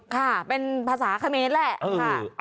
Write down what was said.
ค่ะเป็นภาษาคมีนิดหนึ่งแหละ